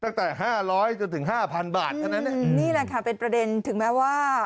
นี่แหละค่ะเป็นประเด็นถึงแม้ว่า